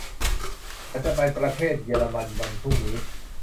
ฉันจะไปประเทศเยอรมันวันพรุ่งนี้